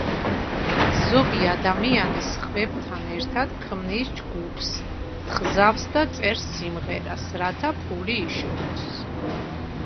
ზოგი ადამიანი სხვებთან ერთად ქმნის ჯგუფს, თხზავს და წერს სიმღერას რათა ფული იშოვოს.